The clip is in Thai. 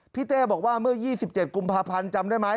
เต้บอกว่าเมื่อ๒๗กุมภาพันธ์จำได้ไหม